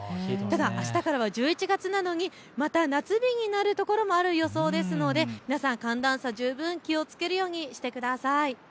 あしたからは１１月なのにまた夏日になるところもある予想ですので皆さん寒暖差に十分気をつけるようにしてください。